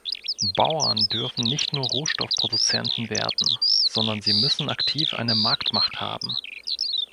Bauern dürfen nicht nur Rohstoffproduzenten werden, sondern sie müssen aktiv eine Marktmacht haben.